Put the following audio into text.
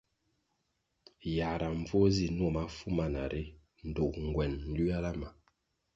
Yãhra mbvuo zi nuo mafu mana ri ndtug nguen nliola ma.